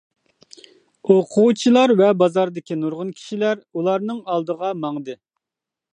ئوقۇغۇچىلار ۋە بازاردىكى نۇرغۇن كىشىلەر ئۇلارنىڭ ئالدىغا ماڭدى.